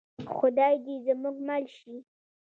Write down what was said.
خدای دې زموږ مل شي